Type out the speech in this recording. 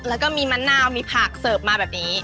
แล้วก็มีมะนาวมีผักเสิร์ฟมาแบบนี้